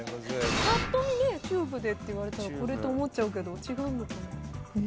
ぱっと見チューブでって言われたらこれと思っちゃうけど違うのかな？